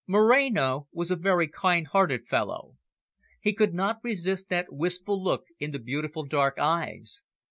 Moreno was a very kind hearted fellow. He could not resist that wistful look in the beautiful dark eyes.